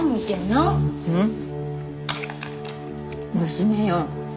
娘よ。